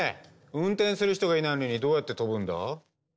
運転する人がいないのにどうやって飛ぶんだ？